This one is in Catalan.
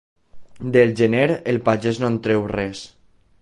Del gener, el pagès no en treu res.